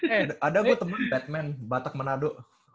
eh ada gue temen batman batak manado